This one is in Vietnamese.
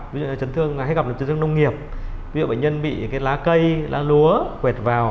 ví dụ như là chấn thương hay gặp là chấn thương nông nghiệp ví dụ bệnh nhân bị lá cây lá lúa quẹt vào